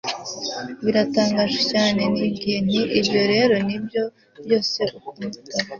biratangaje cyane. nibwiye nti ibyo rero ni byo byose. ukuntu utavuga